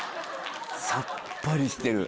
さっぱりしてる。